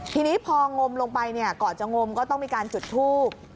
ทีนี้พองมลงไปเนี่ยก่อนจะงมก็ต้องมีการจุดทูบ